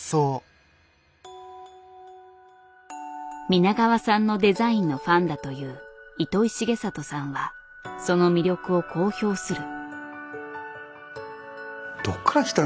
皆川さんのデザインのファンだという糸井重里さんはその魅力をこう評する。